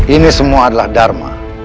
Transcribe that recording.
ini semua adalah dharma